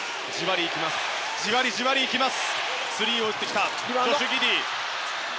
じわりじわりいきます。